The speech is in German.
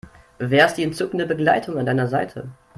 Wer ist die entzückende Begleitung an deiner Seite?